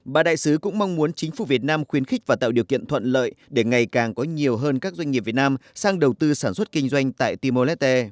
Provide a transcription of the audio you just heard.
bà đại sứ cũng mong muốn chính phủ việt nam khuyến khích và tạo điều kiện thuận lợi để ngày càng có nhiều hơn các doanh nghiệp việt nam sang đầu tư sản xuất kinh doanh tại timor leste